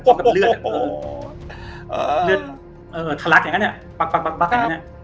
กับเลือดโอ้โหเออเลือดเออทะลักอย่างเงี้ยปั๊กปั๊กปั๊กปั๊กอย่างเงี้ย